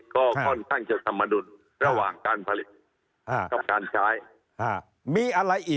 ก็ค่อนข้างจะสมรรดุ